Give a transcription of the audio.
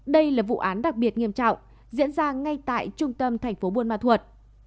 đây là vụ án đặc biệt nghiêm trọng diễn ra ngay tại trung tâm thành phố buôn ma thuột